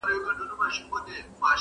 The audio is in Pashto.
• لښکر راغلی د طالبانو -